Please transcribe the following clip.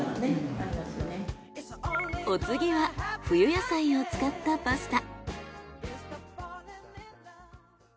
お次は冬野菜を使ったパスタ。